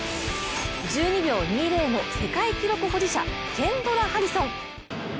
１２秒２０の世界記録保持者ケンドラ・ハリソン。